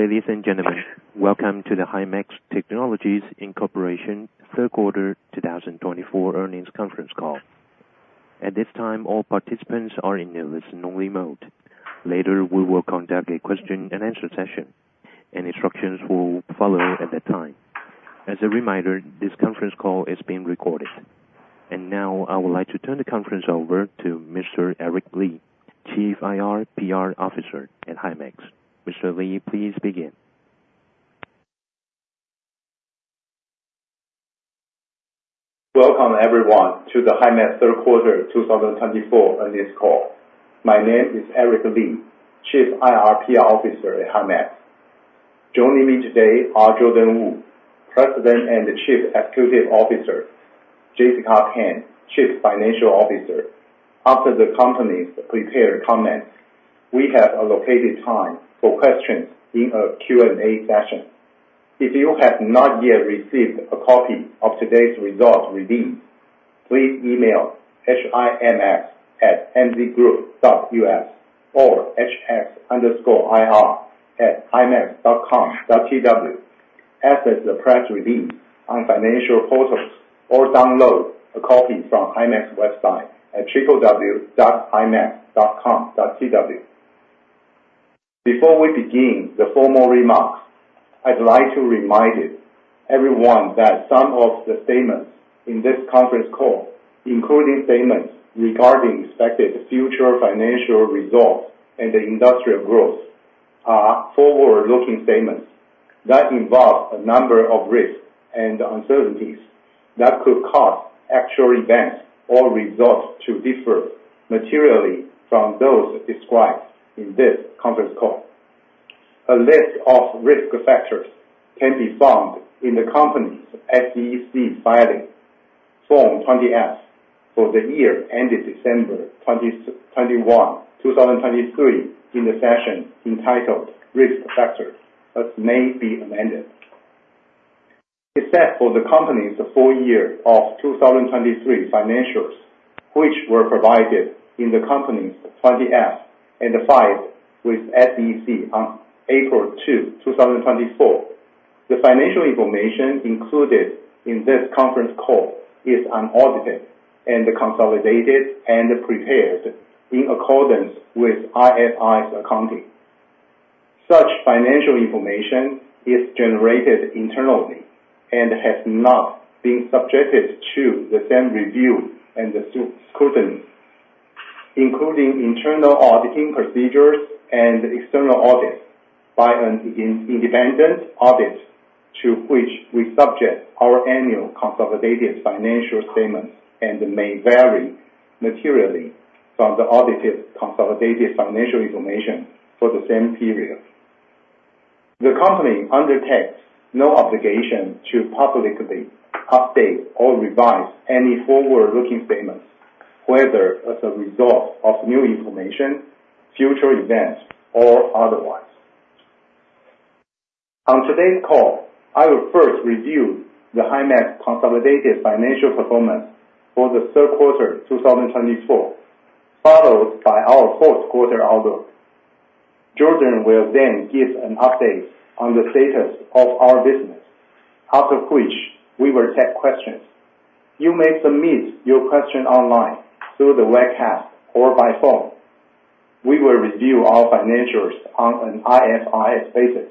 Hello, ladies and gentlemen. Welcome to the Himax Technologies Inc. Third Quarter 2024 Earnings Conference Call. At this time, all participants are in the listen-only mode. Later, we will conduct a question-and-answer session. Instructions will follow at that time. As a reminder, this conference call is being recorded. Now, I would like to turn the conference over to Mr. Eric Li, Chief IR/PR Officer at Himax. Mr. Li, please begin. Welcome, everyone, to the Himax Third Quarter 2024 Earnings call. My name is Eric Li, Chief IR/PR Officer at Himax. Joining me today are Jordan Wu, President and Chief Executive Officer, Jessica Pan, Chief Financial Officer. After the company's prepared comments, we have allocated time for questions in a Q&A session. If you have not yet received a copy of today's results release, please email him@mzgroup.us or hx_ir@himax.com.tw, access the press release on financial portals, or download a copy from Himax's website at www.himax.com.tw. Before we begin the formal remarks, I'd like to remind everyone that some of the statements in this conference call, including statements regarding expected future financial results and the industrial growth, are forward-looking statements that involve a number of risks and uncertainties that could cause actual events or results to differ materially from those described in this conference call. A list of risk factors can be found in the company's SEC filing Form 20-F for the year ended December 31, 2023, in the section entitled "Risk Factors as May Be Amended." Except for the company's financials for the year 2023, which were provided in the company's 20-F and filed with the SEC on April 1, 2024, the financial information included in this conference call is unaudited and consolidated and prepared in accordance with IFRS accounting. Such financial information is generated internally and has not been subjected to the same review and scrutiny, including internal auditing procedures and external audits by an independent auditor, to which we subject our annual consolidated financial statements and may vary materially from the audited consolidated financial information for the same period. The company undertakes no obligation to publicly update or revise any forward-looking statements, whether as a result of new information, future events, or otherwise. On today's call, I will first review the Himax consolidated financial performance for the third quarter 2024, followed by our fourth quarter outlook. Jordan will then give an update on the status of our business, after which we will take questions. You may submit your question online through the webcast or by phone. We will review our financials on an IFRS basis.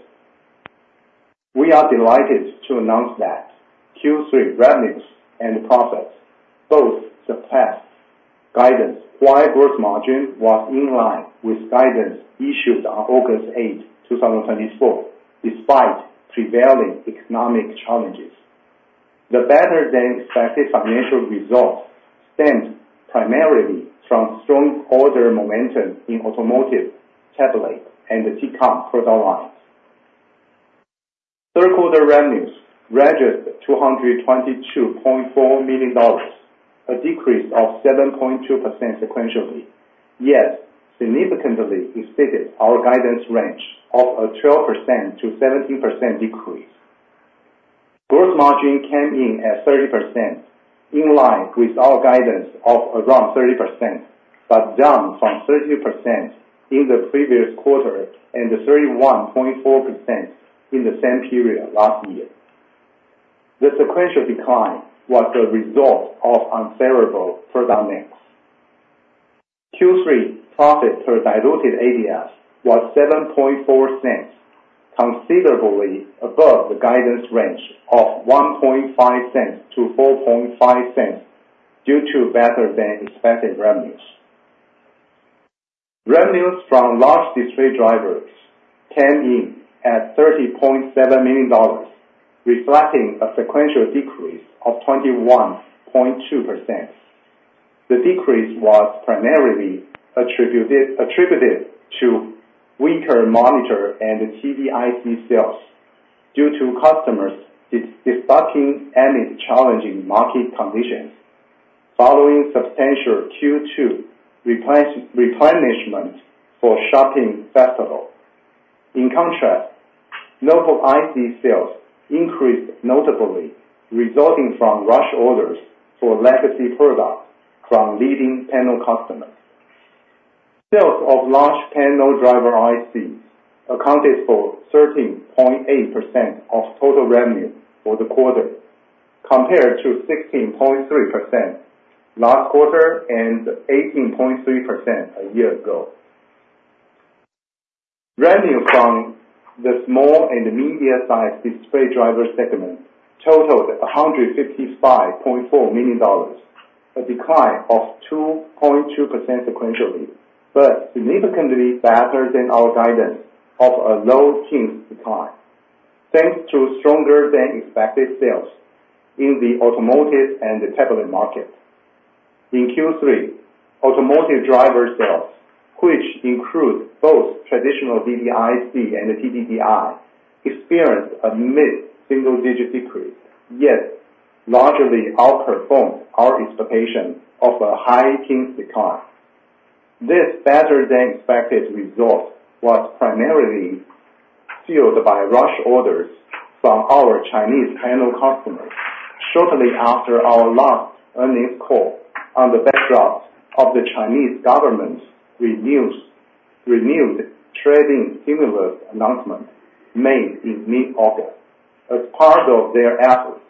We are delighted to announce that Q3 revenues and profits both surpassed guidance. Our gross margin was in line with guidance issued on August 8, 2024, despite prevailing economic challenges. The better-than-expected financial results stemmed primarily from strong order momentum in automotive, tablet, and Tcon product lines. Third quarter revenues registered $222.4 million, a decrease of 7.2% sequentially, yet significantly exceeded our guidance range of a 12%-17% decrease. Gross margin came in at 30%, in line with our guidance of around 30%, but down from 32% in the previous quarter and 31.4% in the same period last year. The sequential decline was the result of unfavorable product mix. Q3 profit per diluted ADS was $0.074, considerably above the guidance range of $0.015 to $0.045 due to better-than-expected revenues. Revenues from large display drivers came in at $30.7 million, reflecting a sequential decrease of 21.2%. The decrease was primarily attributed to weaker monitor and TV IC sales due to customers' destocking amid challenging market conditions, following substantial Q2 replenishment for shopping festival. In contrast, notebook IC sales increased notably, resulting from rush orders for legacy products from leading panel customers. Sales of large panel driver ICs accounted for 13.8% of total revenue for the quarter, compared to 16.3% last quarter and 18.3% a year ago. Revenue from the small and medium-sized display driver segment totaled $155.4 million, a decline of 2.2% sequentially, but significantly better than our guidance of a low-teens decline, thanks to stronger-than-expected sales in the automotive and tablet market. In Q3, automotive driver sales, which include both traditional DDIC and TDDI, experienced a mid-single-digit decrease, yet largely outperformed our expectation of a high-teens decline. This better-than-expected result was primarily fueled by rush orders from our Chinese panel customers shortly after our last earnings call against the backdrop of the Chinese government's renewed trade-in stimulus announcement made in mid-August, as part of their efforts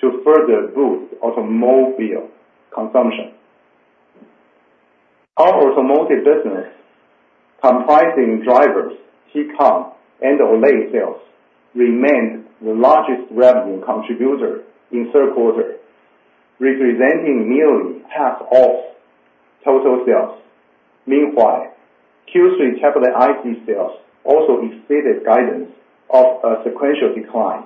to further boost automotive consumption. Our automotive business, comprising drivers, Tcon, and OLED sales, remained the largest revenue contributor in third quarter, representing nearly half of total sales. Meanwhile, Q3 tablet IC sales also exceeded guidance of a sequential decline,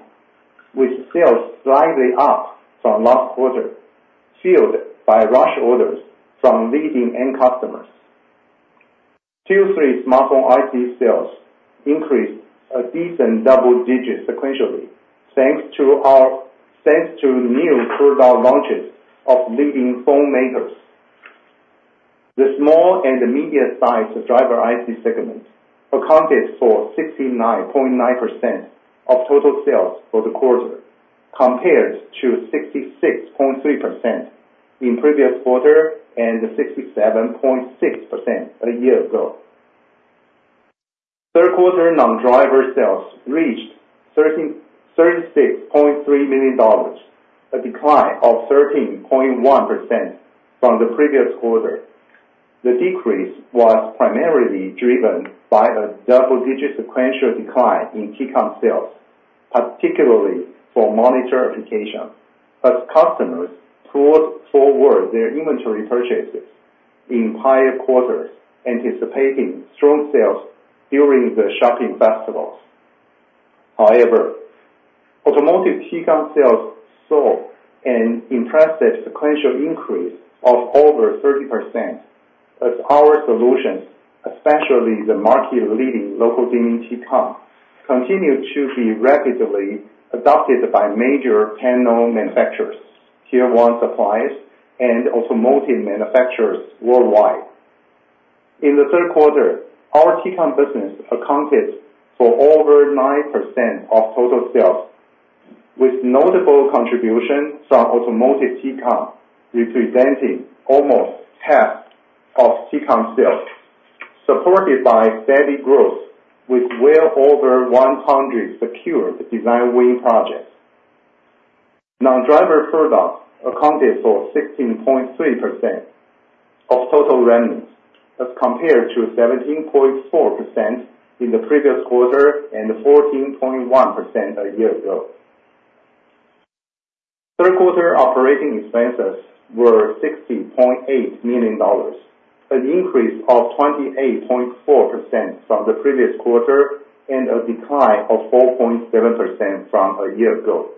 with sales slightly up from last quarter, fueled by rush orders from leading end-customers. Q3 smartphone IC sales increased a decent double-digit sequentially, thanks to new product launches of leading phone makers. The small and medium-sized driver IC segment accounted for 69.9% of total sales for the quarter, compared to 66.3% in previous quarter and 67.6% a year ago. Third quarter non-driver sales reached $36.3 million, a decline of 13.1% from the previous quarter. The decrease was primarily driven by a double-digit sequential decline in Tcon sales, particularly for monitor applications, as customers pulled forward their inventory purchases in prior quarters, anticipating strong sales during the shopping festivals. However, automotive Tcon sales saw an impressive sequential increase of over 30%, as our solutions, especially the market-leading local dimming Tcon, continue to be rapidly adopted by major panel manufacturers, Tier-1 suppliers, and automotive manufacturers worldwide. In the third quarter, our Tcon business accounted for over 9% of total sales, with notable contribution from automotive Tcon, representing almost half of Tcon sales, supported by steady growth with well over 100 secured design win projects. Non-driver products accounted for 16.3% of total revenues, as compared to 17.4% in the previous quarter and 14.1% a year ago. Third quarter operating expenses were $60.8 million, an increase of 28.4% from the previous quarter and a decline of 4.7% from a year ago.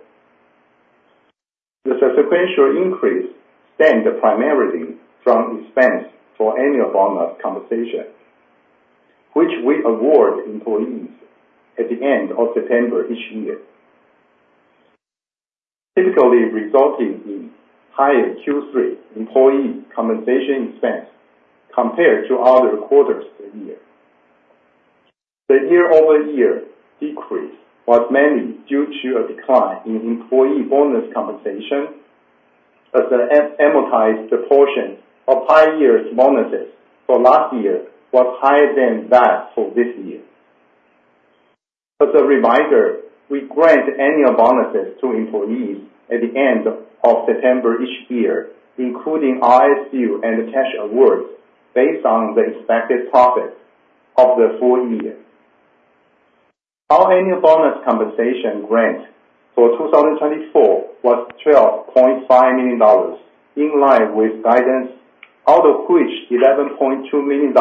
The sequential increase stemmed primarily from expense for annual bonus compensation, which we award employees at the end of September each year, typically resulting in higher Q3 employee compensation expense compared to other quarters of the year. The year-over-year decrease was mainly due to a decline in employee bonus compensation, as the amortized portion of prior year's bonuses for last year was higher than that for this year. As a reminder, we grant annual bonuses to employees at the end of September each year, including RSU and cash awards based on the expected profit of the full year. Our annual bonus compensation grant for 2024 was $12.5 million, in line with guidance, out of which $11.2 million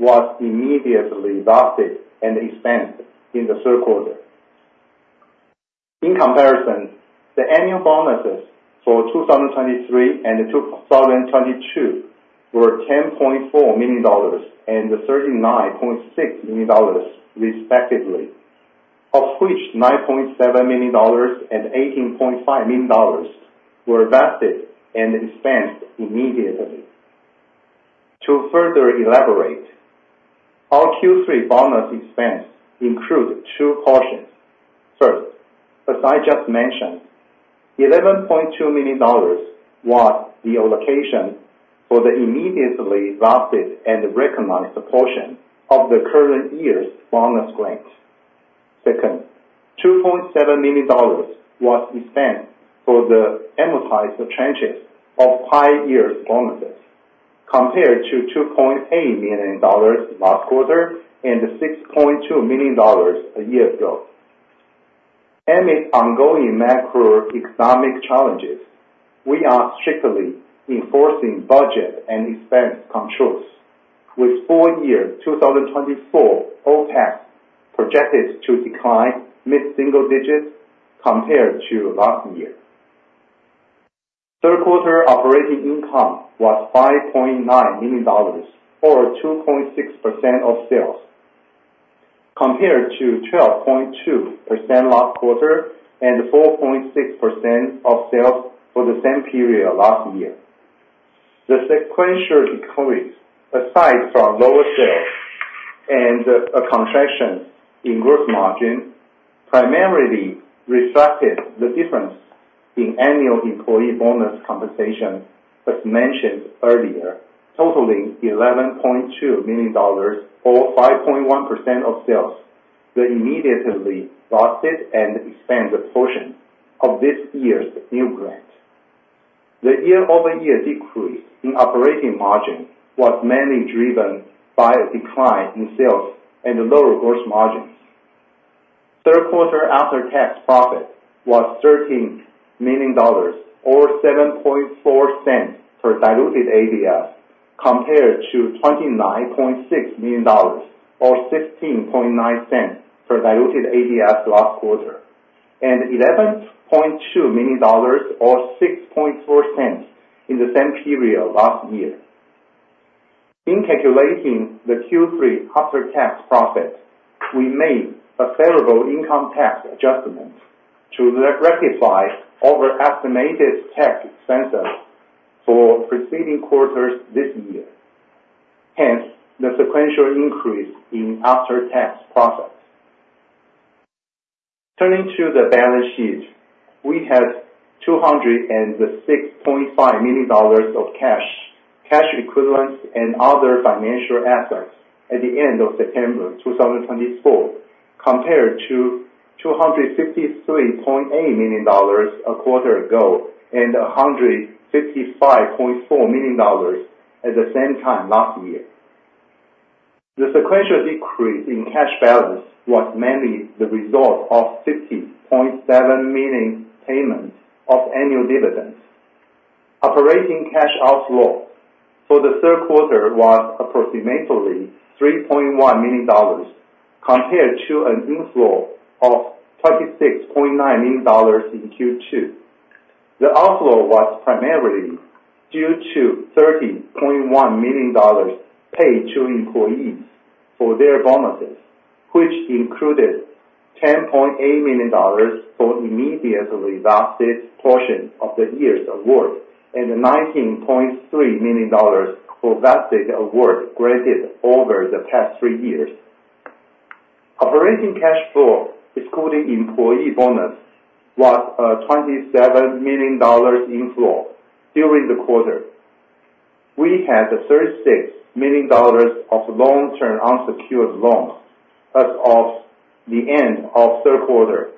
was immediately adopted and expensed in the third quarter. In comparison, the annual bonuses for 2023 and 2022 were $10.4 million and $39.6 million, respectively, of which $9.7 million and $18.5 million were adopted and expensed immediately. To further elaborate, our Q3 bonus expense includes two portions. First, as I just mentioned, $11.2 million was the allocation for the immediately adopted and recognized portion of the current year's bonus grant. Second, $2.7 million was expensed for the amortized tranches of prior year's bonuses, compared to $2.8 million last quarter and $6.2 million a year ago. Amid ongoing macroeconomic challenges, we are strictly enforcing budget and expense controls, with full-year 2024 OpEx projected to decline mid-single digits compared to last year. Third quarter operating income was $5.9 million, or 2.6% of sales, compared to 12.2% last quarter and 4.6% of sales for the same period last year. The sequential decrease, aside from lower sales and a contraction in gross margin, primarily reflected the difference in annual employee bonus compensation, as mentioned earlier, totaling $11.2 million, or 5.1% of sales that immediately adopted and expensed the portion of this year's new grant. The year-over-year decrease in operating margin was mainly driven by a decline in sales and lower gross margins. Third quarter after-tax profit was $13 million, or 7.4 cents per diluted ADS, compared to $29.6 million, or 16.9 cents per diluted ADS last quarter, and $11.2 million, or 6.4 cents in the same period last year. In calculating the Q3 after-tax profit, we made a favorable income tax adjustment to rectify overestimated tax expenses for preceding quarters this year. Hence, the sequential increase in after-tax profits. Turning to the balance sheet, we had $206.5 million of cash, cash equivalents, and other financial assets at the end of September 2024, compared to $253.8 million a quarter ago and $155.4 million at the same time last year. The sequential decrease in cash balance was mainly the result of $60.7 million payment of annual dividends. Operating cash outflow for the third quarter was approximately $3.1 million, compared to an inflow of $26.9 million in Q2. The outflow was primarily due to $30.1 million paid to employees for their bonuses, which included $10.8 million for immediately adopted portion of the year's award and $19.3 million for vested award granted over the past three years. Operating cash flow, excluding employee bonus, was a $27 million inflow during the quarter. We had $36 million of long-term unsecured loans as of the end of third quarter,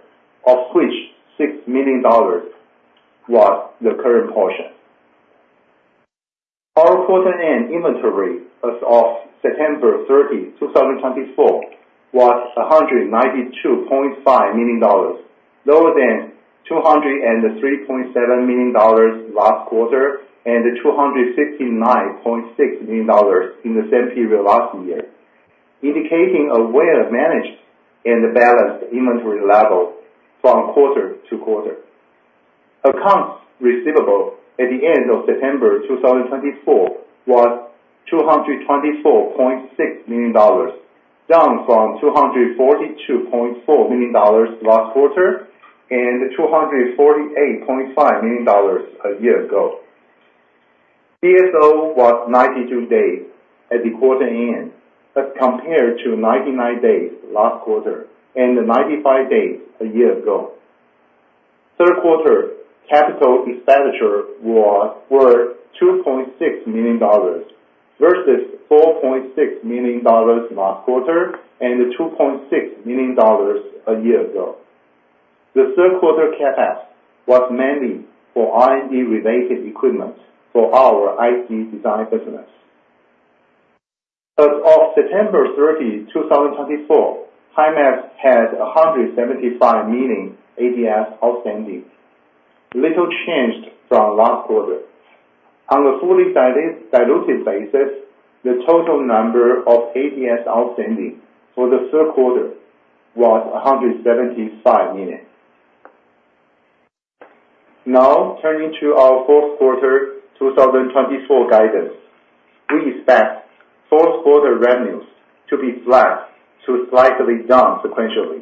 of which $6 million was the current portion. Our quarter-end inventory as of September 30, 2024, was $192.5 million, lower than $203.7 million last quarter and $269.6 million in the same period last year, indicating a well-managed and balanced inventory level from quarter to quarter. Accounts receivable at the end of September 2024 was $224.6 million, down from $242.4 million last quarter and $248.5 million a year ago. DSO was 92 days at the quarter end, as compared to 99 days last quarter and 95 days a year ago. Third quarter capital expenditure were $2.6 million versus $4.6 million last quarter and $2.6 million a year ago. The third quarter CapEx was mainly for R&D-related equipment for our IC design business. As of September 30, 2024, Himax had 175 million ADS outstanding, little changed from last quarter. On a fully diluted basis, the total number of ADS outstanding for the third quarter was 175 million. Now, turning to our fourth quarter 2024 guidance, we expect fourth quarter revenues to be flat to slightly down sequentially.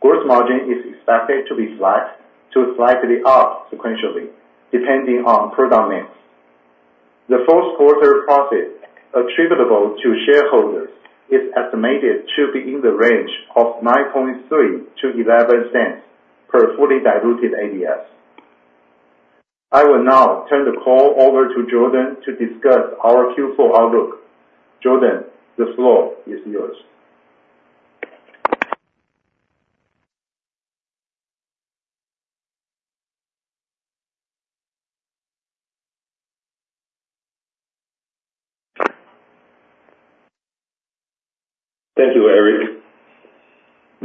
Gross margin is expected to be flat to slightly up sequentially, depending on product mix. The fourth quarter profit attributable to shareholders is estimated to be in the range of $0.093-$0.11 per fully diluted ADS. I will now turn the call over to Jordan to discuss our Q4 outlook. Jordan, the floor is yours.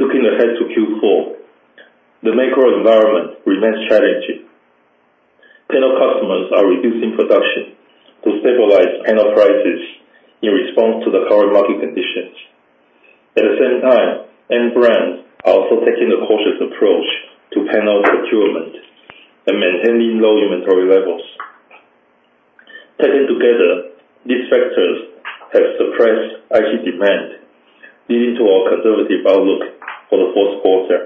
Thank you, Eric. Looking ahead to Q4, the macro environment remains challenging. Panel customers are reducing production to stabilize panel prices in response to the current market conditions. At the same time, end brands are also taking a cautious approach to panel procurement and maintaining low inventory levels. Taken together, these factors have suppressed IC demand, leading to our conservative outlook for the fourth quarter.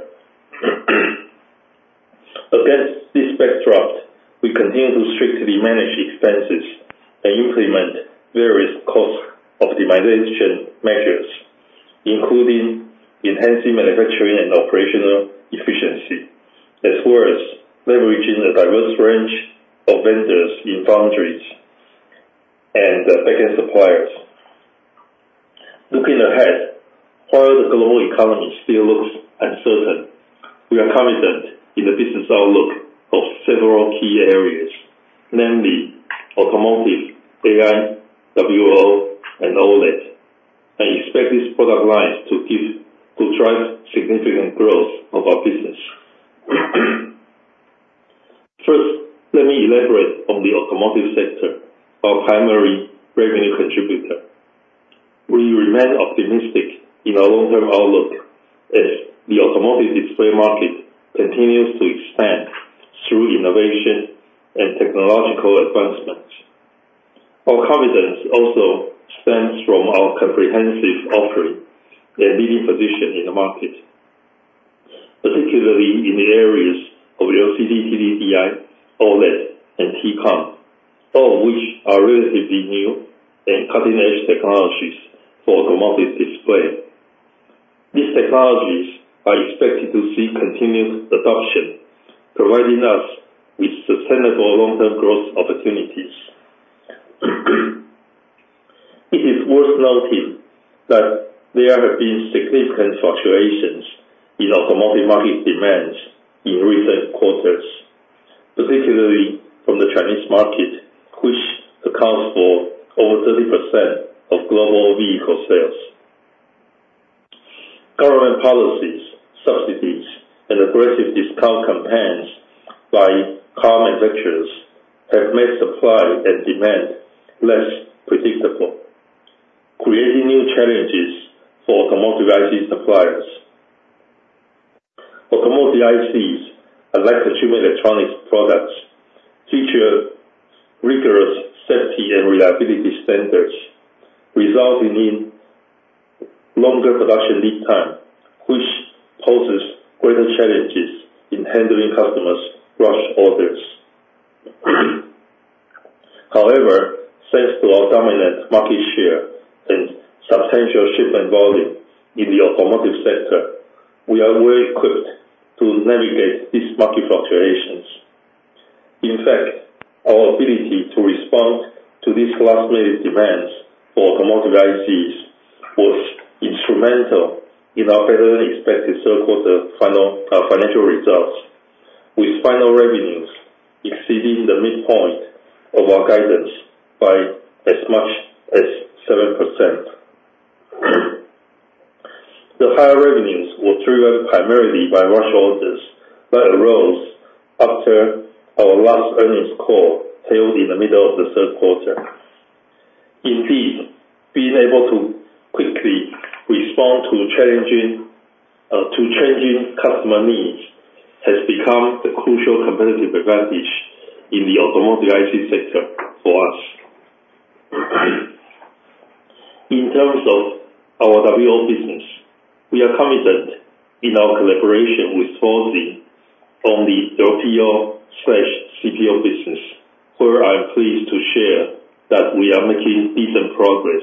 Against this backdrop, we continue to strictly manage expenses and implement various cost optimization measures, including enhancing manufacturing and operational efficiency, as well as leveraging a diverse range of vendors in foundries and back-end suppliers. Looking ahead, while the global economy still looks uncertain, we are confident in the business outlook of several key areas, namely automotive, AI, WLO, and OLED, and expect these product lines to drive significant growth of our business. First, let me elaborate on the automotive sector, our primary revenue contributor. We remain optimistic in our long-term outlook as the automotive display market continues to expand through innovation and technological advancements. Our confidence also stems from our comprehensive offering and leading position in the market, particularly in the areas of LCD/TDDI, OLED, and TCON, all of which are relatively new and cutting-edge technologies for automotive display. These technologies are expected to see continued adoption, providing us with sustainable long-term growth opportunities. It is worth noting that there have been significant fluctuations in automotive market demand in recent quarters, particularly from the Chinese market, which accounts for over 30% of global vehicle sales. Government policies, subsidies, and aggressive discount campaigns by car manufacturers have made supply and demand less predictable, creating new challenges for automotive IC suppliers. Automotive ICs, unlike consumer electronics products, feature rigorous safety and reliability standards, resulting in longer production lead time, which poses greater challenges in handling customers' rush orders. However, thanks to our dominant market share and substantial shipment volume in the automotive sector, we are well-equipped to navigate these market fluctuations. In fact, our ability to respond to these last-minute demands for automotive ICs was instrumental in our better-than-expected third quarter financial results, with final revenues exceeding the midpoint of our guidance by as much as 7%. The higher revenues were driven primarily by rush orders that arose after our last earnings call held in the middle of the third quarter. Indeed, being able to quickly respond to changing customer needs has become a crucial competitive advantage in the automotive IC sector for us. In terms of our WLO business, we are committed in our collaboration with FOCI on the LPO/CPO business, where I'm pleased to share that we are making decent progress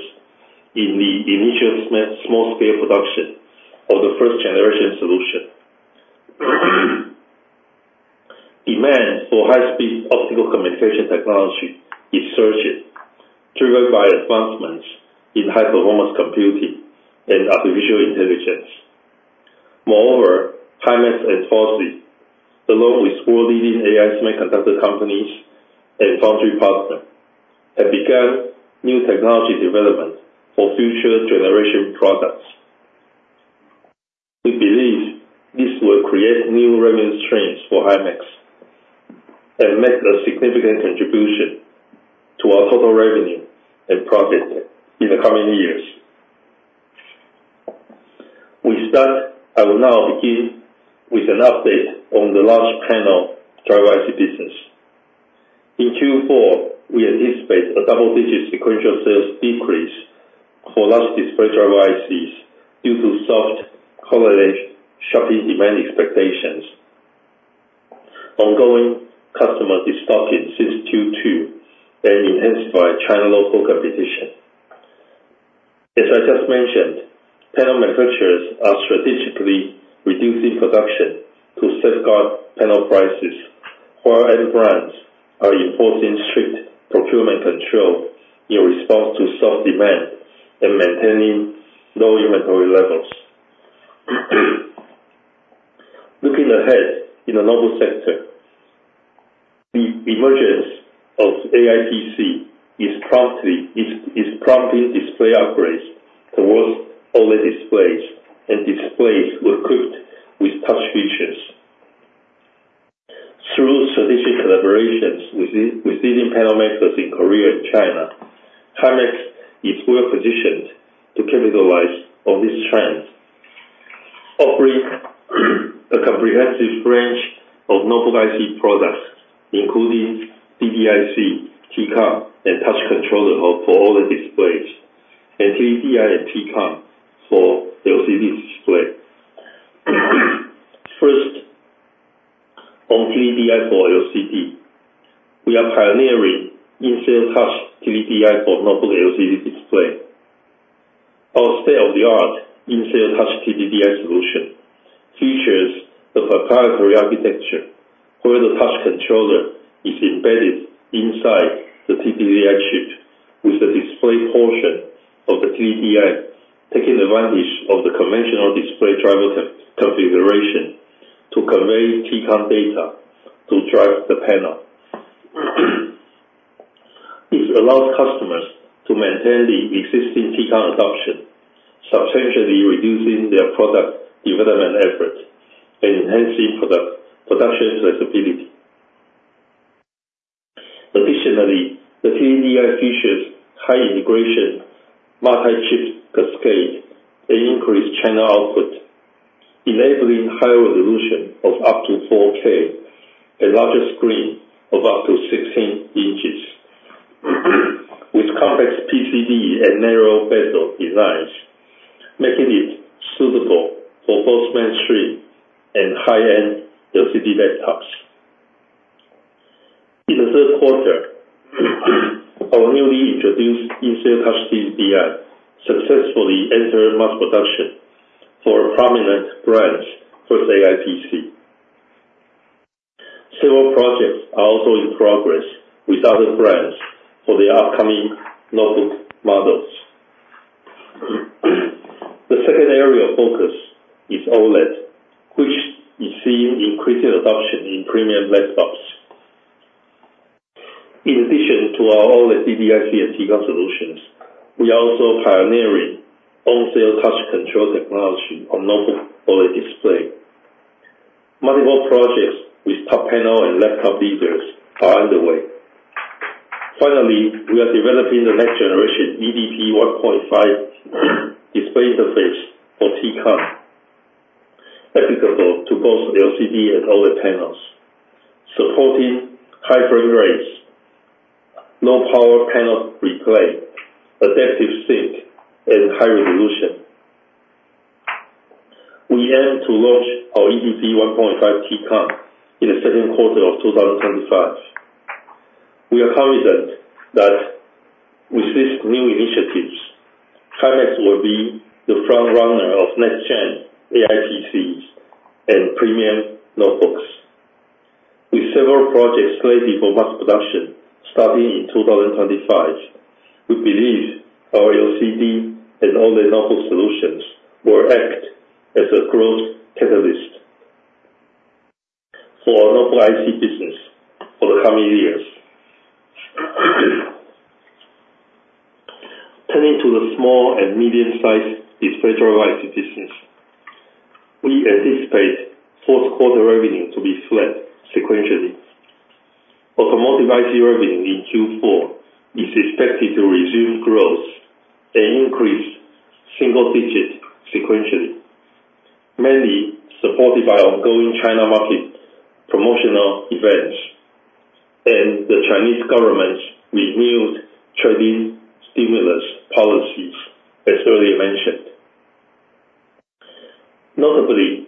in the initial small-scale production of the first-generation solution. Demand for high-speed optical communication technology is surging, triggered by advancements in high-performance computing and artificial intelligence. Moreover, Himax and FOCI, along with world-leading AI semiconductor companies and foundry partners, have begun new technology development for future-generation products. We believe this will create new revenue streams for Himax and make a significant contribution to our total revenue and profit in the coming years. I will now begin with an update on the large panel driver IC business. In Q4, we anticipate a double-digit sequential sales decrease for large display driver ICs due to soft holiday shopping demand expectations, ongoing customer destocking since Q2, and intensified China local competition. As I just mentioned, panel manufacturers are strategically reducing production to safeguard panel prices, while end brands are enforcing strict procurement control in response to soft demand and maintaining low inventory levels. Looking ahead in the mobile sector, the emergence of AI PC is prompting display upgrades towards OLED displays and displays equipped with touch features. Through strategic collaborations with leading panel makers in Korea and China, Himax is well-positioned to capitalize on this trend, offering a comprehensive range of mobile IC products, including DDIC, Tcon, and touch controller for OLED displays, and TDDI and Tcon for LCD display. First, on TDDI for LCD, we are pioneering in-cell touch TDDI for mobile LCD display. Our state-of-the-art in-cell touch TDDI solution features a proprietary architecture where the touch controller is embedded inside the TDDI chip, with the display portion of the TDDI taking advantage of the conventional display driver configuration to convey Tcon data to drive the panel. This allows customers to maintain the existing Tcon adoption, substantially reducing their product development effort and enhancing production flexibility. Additionally, the TDDI features high integration, multi-chip cascade, and increased channel output, enabling higher resolution of up to 4K and larger screen of up to 16 inches, with complex PCB and narrow bezel designs, making it suitable for both mainstream and high-end LCD desktops. In the third quarter, our newly introduced in-cell touch TDDI successfully entered mass production for prominent brands for AI PC. Several projects are also in progress with other brands for their upcoming notebook models. The second area of focus is OLED, which is seeing increasing adoption in premium laptops. In addition to our OLED TDDI and Tcon solutions, we are also pioneering on-cell touch control technology on novel OLED display. Multiple projects with top panel and laptop leaders are underway. Finally, we are developing the next-generation eDP 1.5 display interface for Tcon, applicable to both LCD and OLED panels, supporting high frame rates, low-power panel replay, adaptive sync, and high resolution. We aim to launch our eDP 1.5 Tcon in the second quarter of 2025. We are confident that with these new initiatives, Himax will be the front-runner of next-gen AI PCs and premium notebooks. With several projects slated for mass production starting in 2025, we believe our LCD and OLED novel solutions will act as a growth catalyst for our novel IC business for the coming years. Turning to the small and medium-sized display driver IC business, we anticipate fourth-quarter revenue to be flat sequentially. Automotive IC revenue in Q4 is expected to resume growth and increase single-digit sequentially, mainly supported by ongoing China market promotional events and the Chinese government's renewed trade-in stimulus policies, as earlier mentioned. Notably,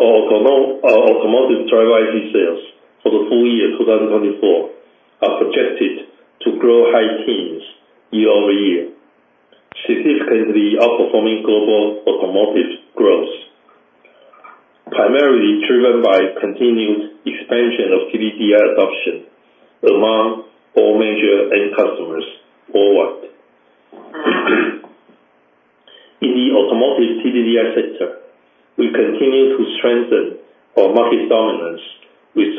our automotive driver IC sales for the full year 2024 are projected to grow high teens year over year, significantly outperforming global automotive growth, primarily driven by continued expansion of TDDI adoption among all major end customers worldwide. In the automotive TDDI sector, we continue to strengthen our market dominance with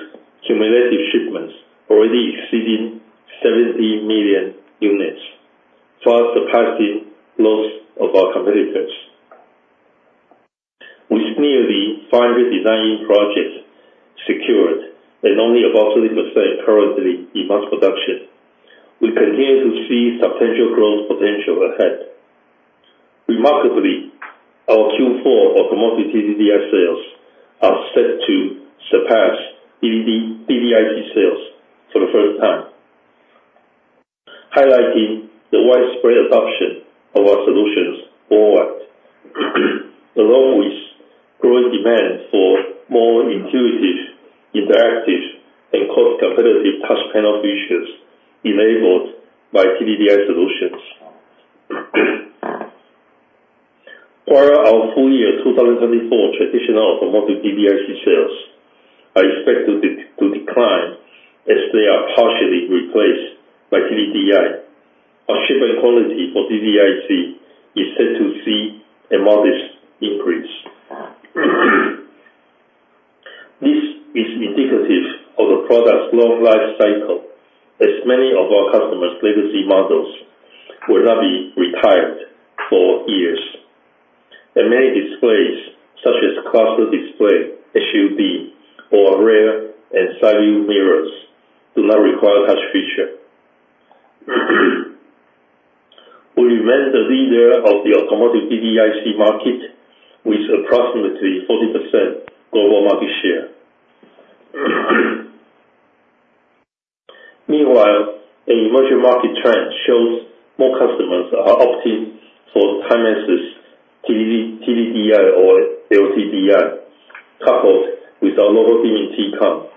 cumulative shipments already exceeding 70 million units, far surpassing those of our competitors. With nearly 500 design projects secured and only about 3% currently in mass production, we continue to see substantial growth potential ahead. Remarkably, our Q4 automotive TDDI sales are set to surpass DDIC sales for the first time, highlighting the widespread adoption of our solutions worldwide, along with growing demand for more intuitive, interactive, and cost-competitive touch panel features enabled by TDDI solutions. While our full year 2024 traditional automotive DDIC sales are expected to decline as they are partially replaced by TDDI, our shipment quality for DDIC is set to see a modest increase. This is indicative of the product's long life cycle, as many of our customers' legacy models will not be retired for years, and many displays, such as cluster display, SUV, or rear and side-view mirrors, do not require touch features. We remain the leader of the automotive DDIC market with approximately 40% global market share. Meanwhile, an emerging market trend shows more customers are opting for Himax's TDDI or LTDI, coupled with our local dimming Tcon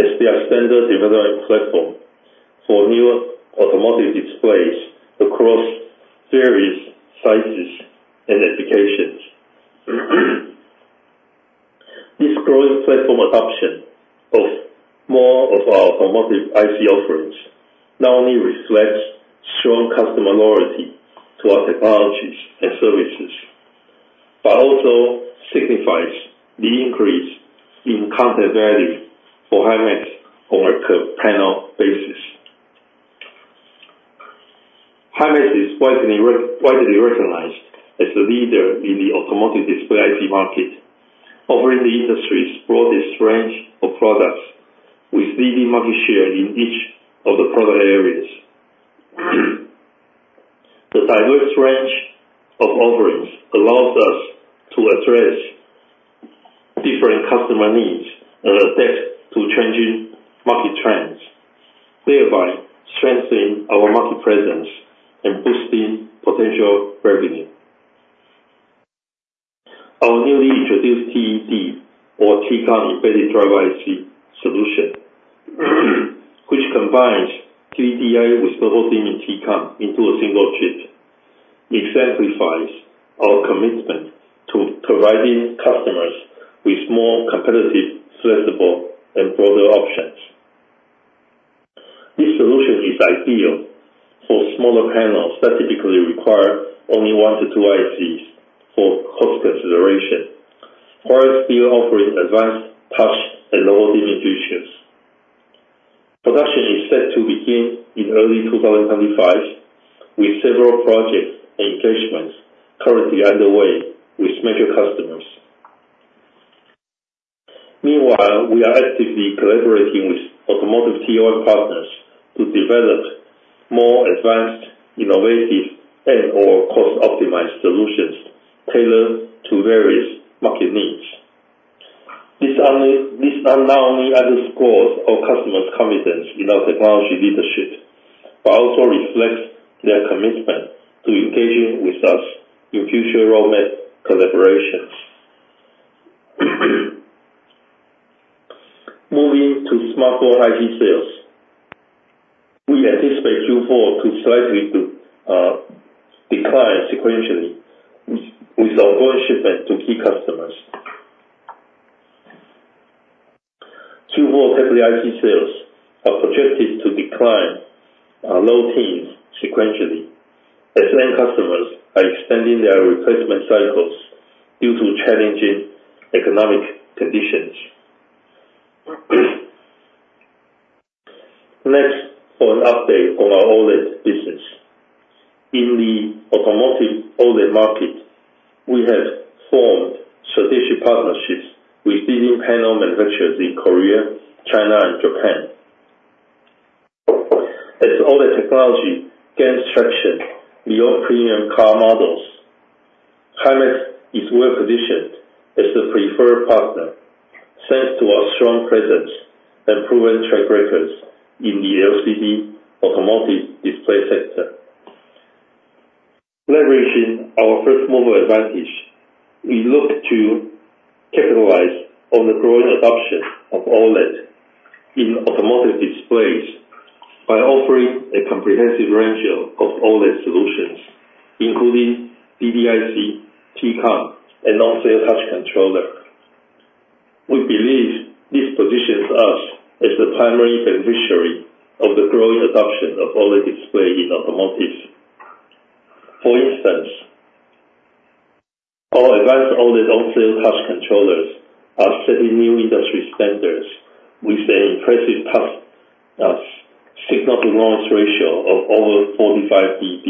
as their standard development platform for newer automotive displays across various sizes and applications. This growing platform adoption of more of our automotive IC offerings not only reflects strong customer loyalty to our technologies and services, but also signifies the increase in counter value for Himax on a per-panel basis. Himax is widely recognized as a leader in the automotive display IC market, offering the industry's broadest range of products with leading market share in each of the product areas. The diverse range of offerings allows us to address different customer needs and adapt to changing market trends, thereby strengthening our market presence and boosting potential revenue. Our newly introduced TED, or Tcon embedded driver IC solution, which combines TDDI with the local dimming Tcon into a single chip, exemplifies our commitment to providing customers with more competitive, flexible, and broader options. This solution is ideal for smaller panels that typically require only one to two ICs for cost consideration, while still offering advanced touch and local dimming features. Production is set to begin in early 2025, with several projects and engagements currently underway with major customers. Meanwhile, we are actively collaborating with automotive Tcon partners to develop more advanced, innovative, and/or cost-optimized solutions tailored to various market needs. This not only underscores our customers' confidence in our technology leadership, but also reflects their commitment to engaging with us in future roadmap collaborations. Moving to smartphone IC sales, we anticipate Q4 to slightly decline sequentially with ongoing shipment to key customers. Q4 tablet IC sales are projected to decline low teens sequentially as end customers are extending their replacement cycles due to challenging economic conditions. Next, for an update on our OLED business, in the automotive OLED market, we have formed strategic partnerships with leading panel manufacturers in Korea, China, and Japan. As OLED technology gains traction beyond premium car models, Himax is well-positioned as the preferred partner thanks to our strong presence and proven track records in the LCD automotive display sector. Leveraging our first mover advantage, we look to capitalize on the growing adoption of OLED in automotive displays by offering a comprehensive range of OLED solutions, including DDIC, Tcon, and on-cell touch controller. We believe this positions us as the primary beneficiary of the growing adoption of OLED display in automotive. For instance, our advanced OLED on-cell touch controllers are setting new industry standards with an impressive signal-to-noise ratio of over 45 dB,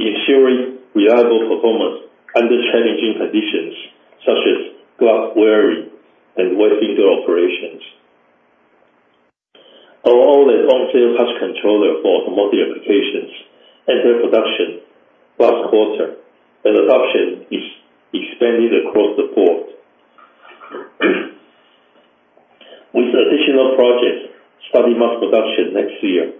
ensuring reliable performance under challenging conditions such as glove wearing and wet-finger operations. Our OLED on-cell touch controller for automotive applications entered production last quarter, and adoption is expanding across the board. With additional projects starting mass production next year,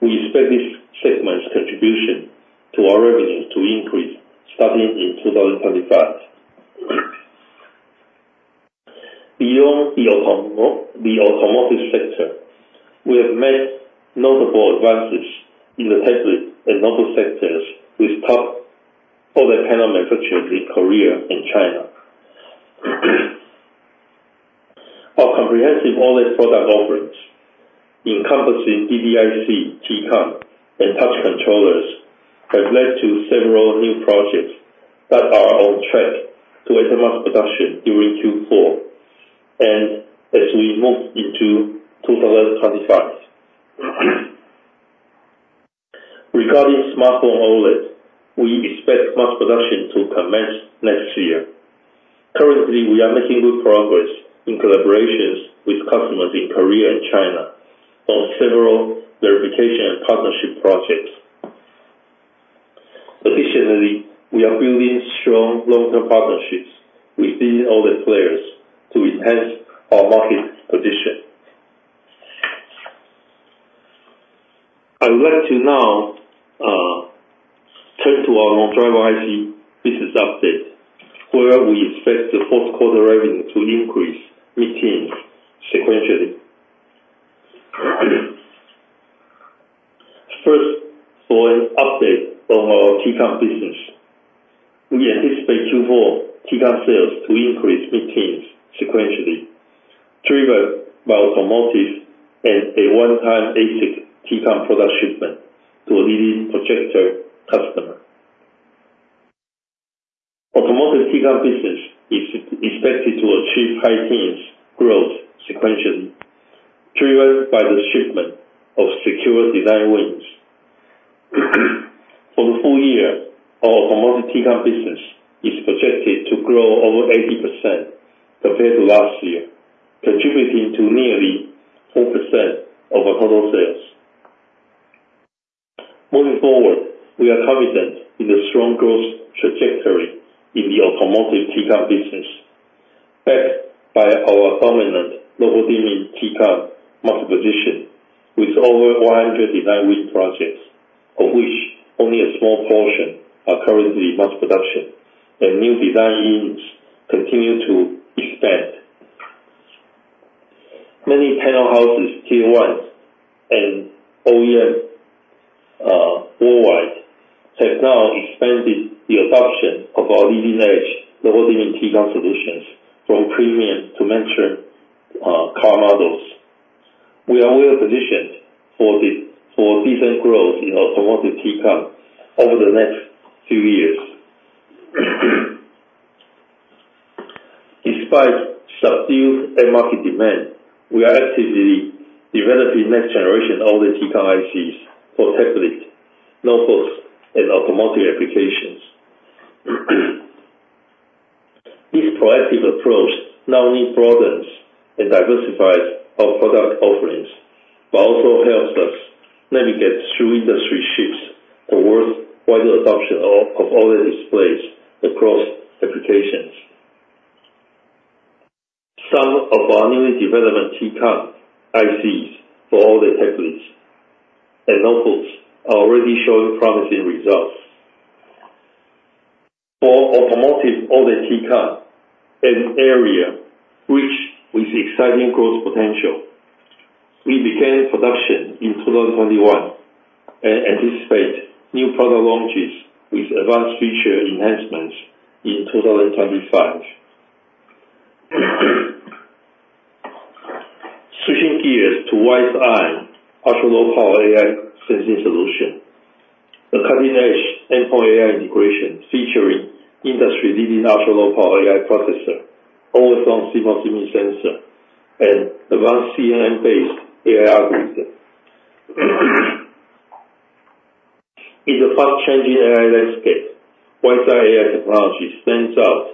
we expect this segment's contribution to our revenue to increase starting in 2025. Beyond the automotive sector, we have made notable advances in the tech and mobile sectors with top OLED panel manufacturers in Korea and China. Our comprehensive OLED product offerings, encompassing DDIC, Tcon, and touch controllers, have led to several new projects that are on track to enter mass production during Q4 and as we move into 2025. Regarding smartphone OLED, we expect mass production to commence next year. Currently, we are making good progress in collaborations with customers in Korea and China on several verification and partnership projects. Additionally, we are building strong long-term partnerships with leading OLED players to enhance our market position. I would like to now turn to our non-driver IC business update, where we expect the fourth-quarter revenue to increase mid-teens sequentially. First, for an update on our Tcon business, we anticipate Q4 Tcon sales to increase mid-teens sequentially, driven by automotive and a one-time ASIC Tcon product shipment to a leading projector customer. Automotive Tcon business is expected to achieve high teens growth sequentially, driven by the shipment of secured design wins. For the full year, our automotive Tcon business is projected to grow over 80% compared to last year, contributing to nearly 4% of our total sales. Moving forward, we are confident in the strong growth trajectory in the automotive Tcon business, backed by our dominant local dimming Tcon market position with over 100 design win projects, of which only a small portion are currently mass production, and new design wins continue to expand. Many panel houses, Tier 1 and OEM worldwide, have now expanded the adoption of our leading-edge local dimming Tcon solutions from premium to mid-tier car models. We are well-positioned for decent growth in automotive Tcon over the next few years. Despite subdued end-market demand, we are actively developing next-generation OLED Tcon ICs for tablet, notebooks, and automotive applications. This proactive approach not only broadens and diversifies our product offerings, but also helps us navigate through industry shifts towards wider adoption of OLED displays across applications. Some of our newly developed Tcon ICs for OLED tablets and notebooks are already showing promising results. For automotive OLED Tcon, an area rich with exciting growth potential, we began production in 2021 and anticipate new product launches with advanced feature enhancements in 2025. Switching gears to WiseEye, ultra-low-power AI sensing solution, the cutting-edge endpoint AI integration featuring industry-leading ultra-low-power AI processor, always-on sensor, and advanced CNN-based AI algorithm. In the fast-changing AI landscape, WiseEye AI technology stands out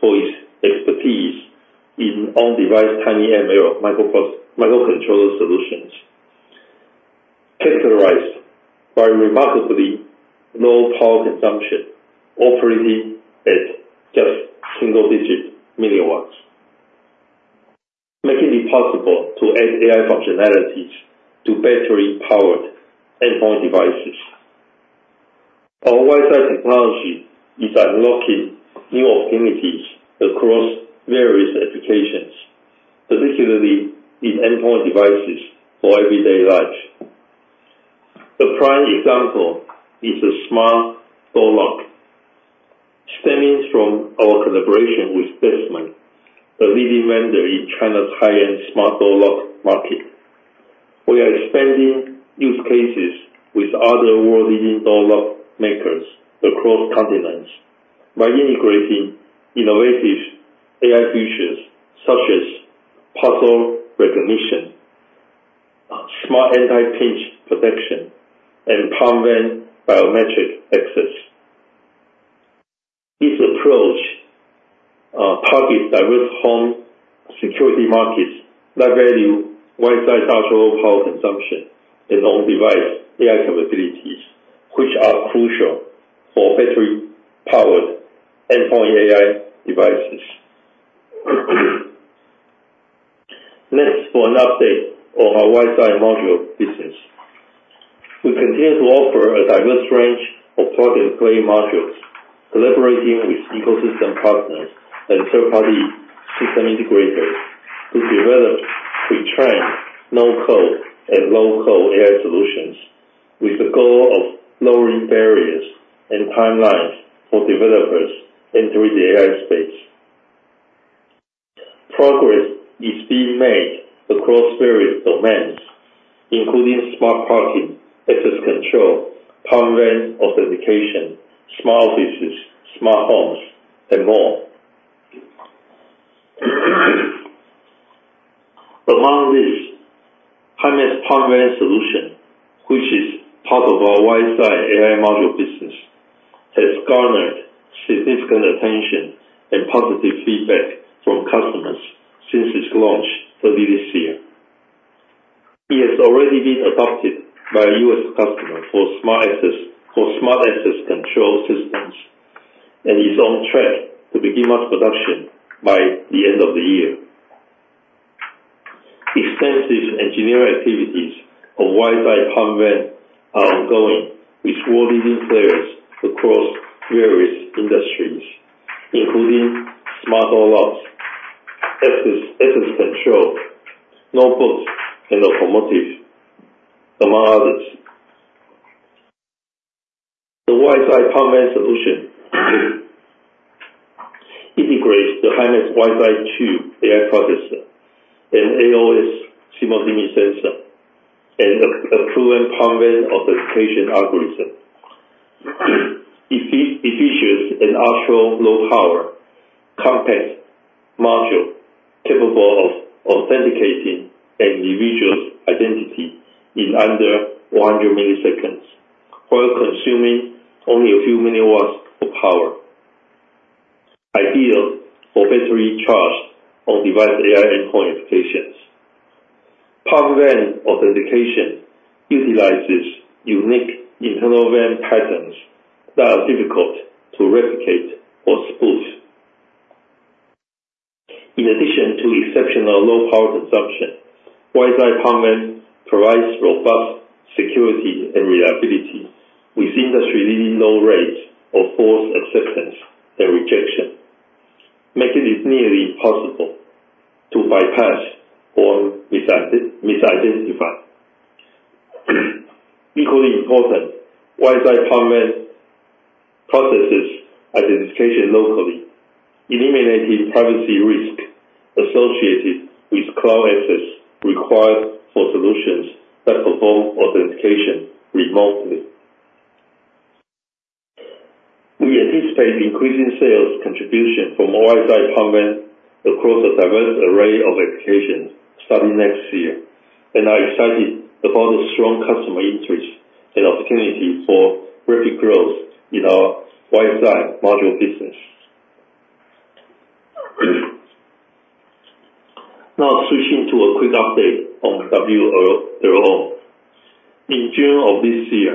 for its expertise in on-device TinyML microcontroller solutions, characterized by remarkably low power consumption, operating at just single-digit milliwatts, making it possible to add AI functionalities to battery-powered endpoint devices. Our WiseEye technology is unlocking new opportunities across various applications, particularly in endpoint devices for everyday life. The prime example is the smart door lock, stemming from our collaboration with Dessmann, a leading vendor in China's high-end smart door lock market. We are expanding use cases with other world-leading door lock makers across continents by integrating innovative AI features such as parcel recognition, smart anti-pinch protection, and palm vein biometric access. This approach targets diverse home security markets that value WiseEye ultra-low-power consumption and on-device AI capabilities, which are crucial for battery-powered endpoint AI devices. Next, for an update on our WiseEye module business, we continue to offer a diverse range of plug-and-play modules, collaborating with ecosystem partners and third-party system integrators to develop, to train no-code and low-code AI solutions with the goal of lowering barriers and timelines for developers entering the AI space. Progress is being made across various domains, including smart parking, access control, Palm Vein authentication, smart offices, smart homes, and more. Among this, Himax Palm Vein solution, which is part of our WiseEye AI module business, has garnered significant attention and positive feedback from customers since its launch early this year. It has already been adopted by a U.S. customer for smart access control systems and is on track to begin mass production by the end of the year. Extensive engineering activities of WiseEye Palm Vein are ongoing with world-leading players across various industries, including smart door locks, access control, notebooks, and automotive, among others. The WiseEye Palm Vein solution integrates the Himax WiseEye2 AI processor, an Always-On Sensor, and a proven Palm Vein authentication algorithm. Efficient and ultra-low-power compact module capable of authenticating an individual's identity in under 100 milliseconds, while consuming only a few milliwatts of power, ideal for battery-charged on-device AI endpoint applications. Palm Vein authentication utilizes unique internal vein patterns that are difficult to replicate or spoof. In addition to exceptional low-power consumption, WiseEye Palm Vein provides robust security and reliability with industry-leading low rates of forced acceptance and rejection, making it nearly impossible to bypass or misidentify. Equally important, WiseEye Palm Vein processes identification locally, eliminating privacy risks associated with cloud access required for solutions that perform authentication remotely. We anticipate increasing sales contribution from WiseEye Palm Vein across a diverse array of applications starting next year and are excited about the strong customer interest and opportunity for rapid growth in our WiseEye module business. Now, switching to a quick update on WLO. In June of this year,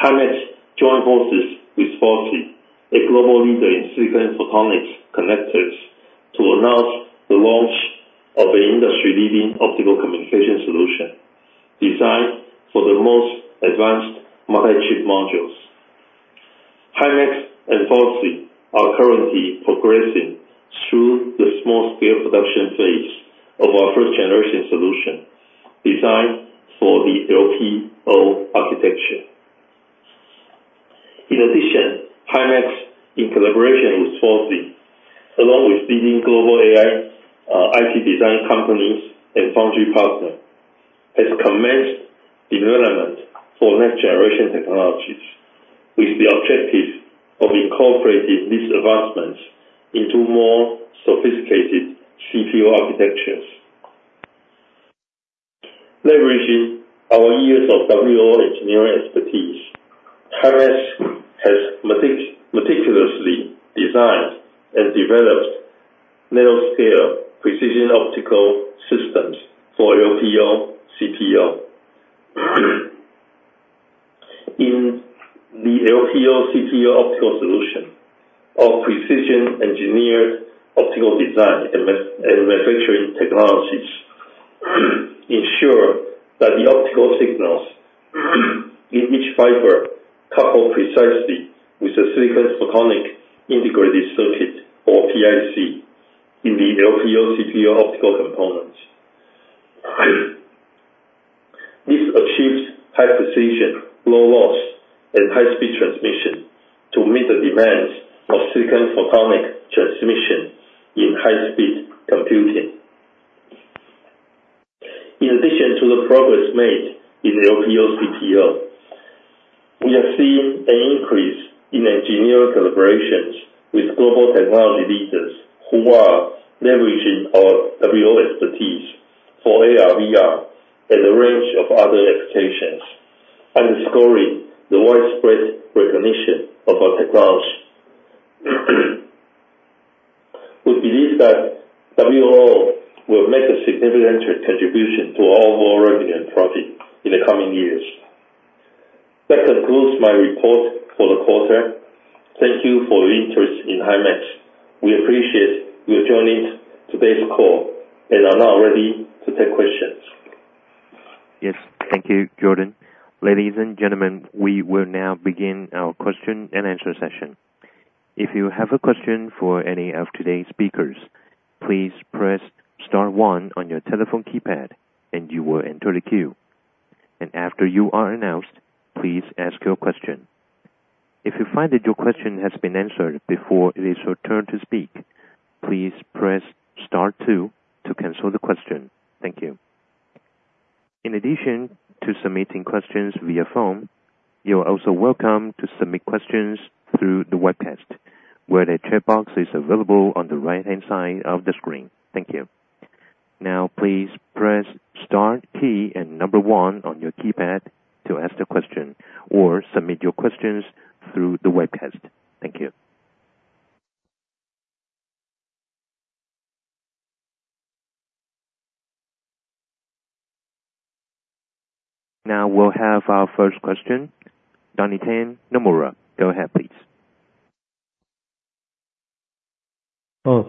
Himax joined forces with FOCI, a global leader in silicon photonics connectors, to announce the launch of an industry-leading optical communication solution designed for the most advanced multi-chip modules. Himax and FOCI are currently progressing through the small-scale production phase of our first-generation solution designed for the LPO architecture. In addition, Himax, in collaboration with FOCI, along with leading global AI IC design companies and foundry partners, has commenced development for next-generation technologies with the objective of incorporating these advancements into more sophisticated CPU architectures. Leveraging our years of WLO engineering expertise, Himax has meticulously designed and developed nanoscale precision optical systems for LPO CPO. In the LPO CPO optical solution, our precision-engineered optical design and manufacturing technologies ensure that the optical signals in each fiber couple precisely with the silicon photonic integrated circuit, or PIC, in the LPO CPO optical components. This achieves high precision, low loss, and high-speed transmission to meet the demands of silicon photonic transmission in high-speed computing. In addition to the progress made in LPO CPO, we have seen an increase in engineering collaborations with global technology leaders who are leveraging our WLO expertise for AR/VR and a range of other applications, underscoring the widespread recognition of our technology. We believe that WLO will make a significant contribution to our overall revenue and profit in the coming years. That concludes my report for the quarter. Thank you for your interest in Himax. We appreciate your joining today's call and are now ready to take questions. Yes, thank you, Jordan. Ladies and gentlemen, we will now begin our question and answer session. If you have a question for any of today's speakers, please press star one on your telephone keypad and you will enter the queue. And after you are announced, please ask your question. If you find that your question has been answered before it is your turn to speak, please press star two to cancel the question. Thank you. In addition to submitting questions via phone, you are also welcome to submit questions through the webcast, where the chat box is available on the right-hand side of the screen. Thank you. Now, please press star key and number one on your keypad to ask the question or submit your questions through the webcast. Thank you. Now, we'll have our first question. Donnie Teng, Nomura, go ahead, please.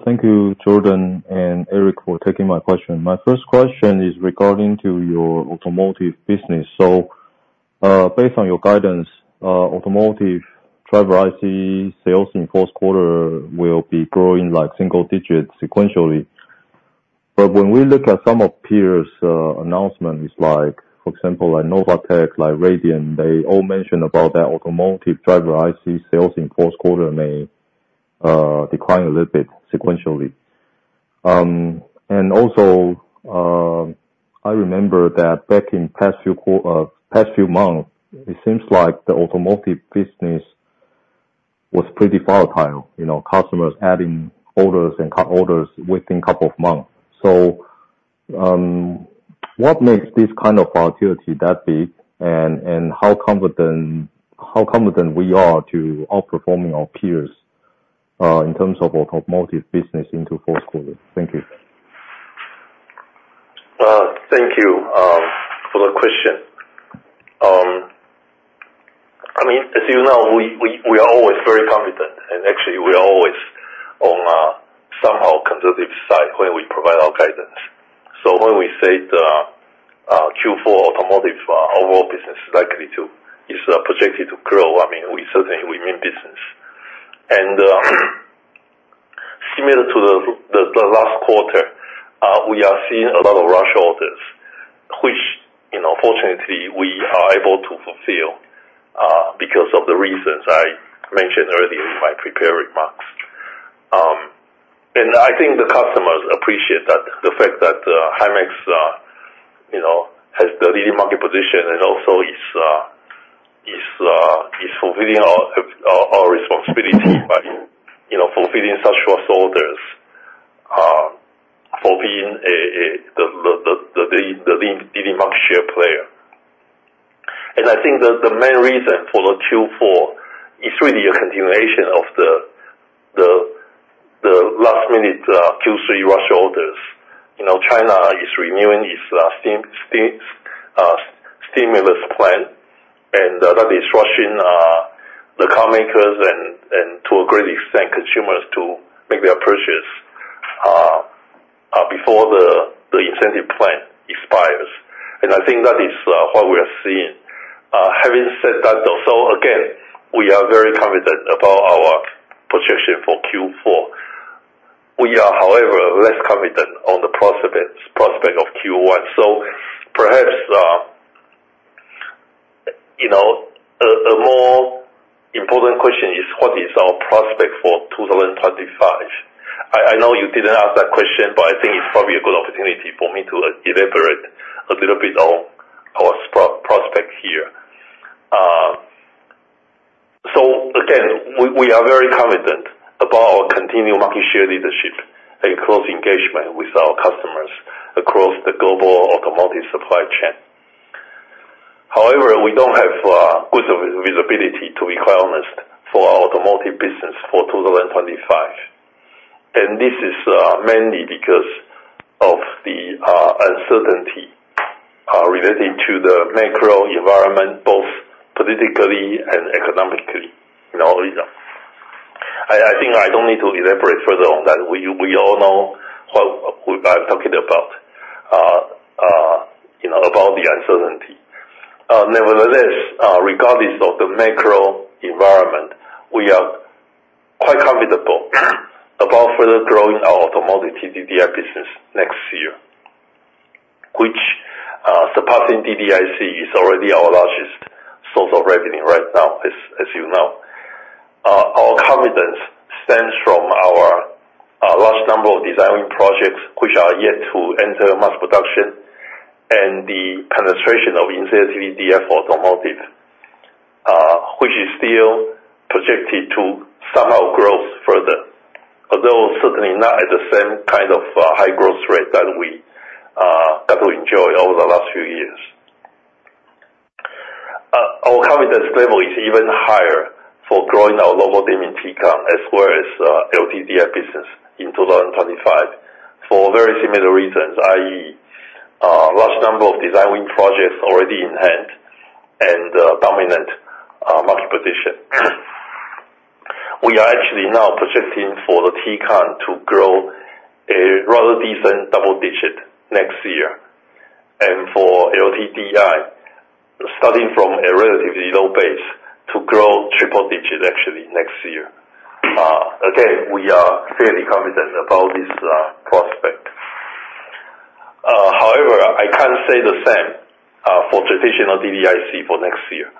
Thank you, Jordan and Eric, for taking my question. My first question is regarding your automotive business. So based on your guidance, automotive driver IC sales in the fourth quarter will be growing like single-digit sequentially. When we look at some of peers' announcements, for example, like Novatek, like Raydium, they all mentioned about that automotive driver IC sales in the fourth quarter may decline a little bit sequentially. Also, I remember that back in the past few months, it seems like the automotive business was pretty volatile, customers adding orders and cut orders within a couple of months. What makes this kind of volatility that big, and how confident we are to outperforming our peers in terms of automotive business into the fourth quarter? Thank you. Thank you for the question. I mean, as you know, we are always very confident, and actually, we are always on somewhat conservative side when we provide our guidance. When we say the Q4 automotive overall business likely to is projected to grow, I mean, we certainly remain business. Similar to the last quarter, we are seeing a lot of rush orders, which, fortunately, we are able to fulfill because of the reasons I mentioned earlier in my prepared remarks. I think the customers appreciate the fact that Himax has the leading market position and also is fulfilling our responsibility by fulfilling such rush orders, fulfilling the leading market share player. I think the main reason for the Q4 is really a continuation of the last-minute Q3 rush orders. China is renewing its stimulus plan, and that is rushing the car makers and, to a great extent, consumers to make their purchase before the incentive plan expires. I think that is what we are seeing. Having said that, though, so again, we are very confident about our projection for Q4. We are, however, less confident on the prospect of Q1. Perhaps a more important question is, what are our prospects for 2025? I know you didn't ask that question, but I think it's probably a good opportunity for me to elaborate a little bit on our prospects here. Again, we are very confident about our continued market share leadership and close engagement with our customers across the global automotive supply chain. However, we don't have good visibility, to be quite honest, for our automotive business for 2025. And this is mainly because of the uncertainty relating to the macro environment, both politically and economically. I think I don't need to elaborate further on that. We all know what I'm talking about, about the uncertainty. Nevertheless, regardless of the macro environment, we are quite comfortable about further growing our automotive TDDI business next year, which, surpassing DDIC, is already our largest source of revenue right now, as you know. Our confidence stems from our large number of design projects, which are yet to enter mass production, and the penetration of in-car TDDI for automotive, which is still projected to somehow grow further, although certainly not at the same kind of high growth rate that we got to enjoy over the last few years. Our confidence level is even higher for growing our local dimming Tcon as well as LTDI business in 2025 for very similar reasons, i.e., large number of design projects already in hand and dominant market position. We are actually now projecting for the Tcon to grow a rather decent double digit next year and for LTDI, starting from a relatively low base to grow triple digit actually next year. Again, we are fairly confident about this prospect. However, I can't say the same for traditional DDIC for next year.